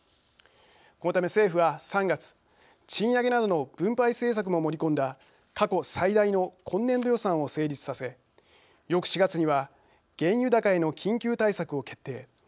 このため、政府は３月賃上げなどの分配政策も盛り込んだ過去最大の今年度予算を成立させ翌４月には原油高への緊急対策を決定。